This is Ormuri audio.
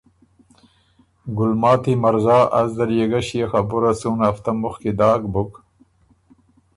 ”ګلماتی مرزا از دل يې ګۀ ݭيې خبُره څُون هفتۀ مُخکی داک بُک